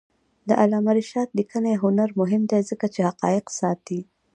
د علامه رشاد لیکنی هنر مهم دی ځکه چې حقایق ساتي.